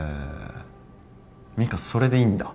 ミカそれでいいんだ？